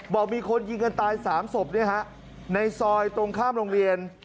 บอกมีคนยิงกันตาย๓ศพในซอยตรงข้ามโรงเรียน